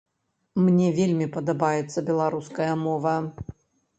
Мне вельмі падабаецца беларуская мова.